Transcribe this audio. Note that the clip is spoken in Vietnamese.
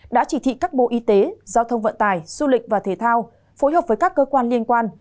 đã chỉ thị các bộ y tế giao thông vận tải du lịch và thể thao phối hợp với các cơ quan liên quan